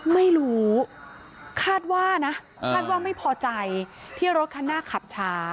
ไม่รู้คาดว่านะคาดว่าไม่พอใจที่รถคันหน้าขับช้า